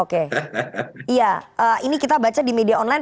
oke iya ini kita baca di media online